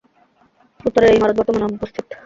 উত্তরের এ ইমারত বর্তমানে অনুপস্থিত।